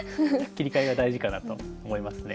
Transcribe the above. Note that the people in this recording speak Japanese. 切り替えが大事かなと思いますね。